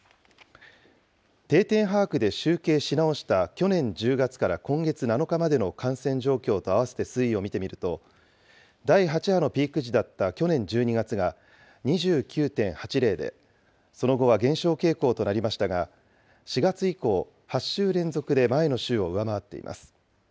定点把握で集計し直した去年１０月から今月７日までの感染状況と合わせて推移を見てみると、第８波のピーク時だった去年１２月が２９．８０で、その後は減少傾向となりましたが４月以降、８週連続で前の週を上回っています。